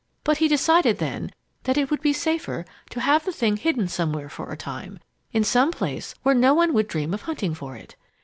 But he decided then that it would be safer to have the thing hidden somewhere for a time in some place where no one would dream of hunting for it.